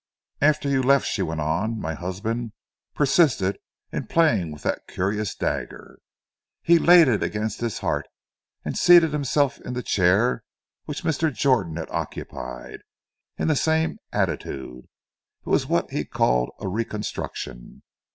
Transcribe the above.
"After you left," she went on, "my husband persisted in playing with that curious dagger. He laid it against his heart, and seated himself in the chair which Mr. Jordan had occupied, in the same attitude. It was what he called a reconstruction.